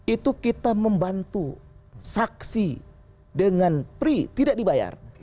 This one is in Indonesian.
itu kita membantu saksi dengan pri tidak dibayar